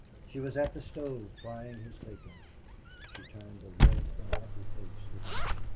She was at the stove frying his bacon she turned a red and happy face to him.